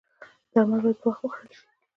درمل باید په وخت وخوړل شي